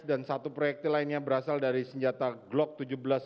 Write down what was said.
satu proyektil lainnya berasal dari senjata glock tujuh belas